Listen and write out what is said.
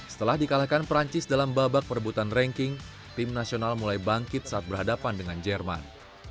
setelah dikalahkan perancis dalam babak perebutan ranking tim nasional mulai bangkit saat berhadapan dengan jerman